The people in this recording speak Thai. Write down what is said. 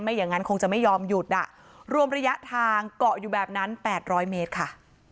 อย่างนั้นคงจะไม่ยอมหยุดอ่ะรวมระยะทางเกาะอยู่แบบนั้น๘๐๐เมตรค่ะ